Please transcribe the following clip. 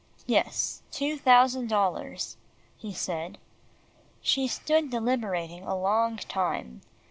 "Yes, two thousand dollars," he said. She stood deliberating a long time.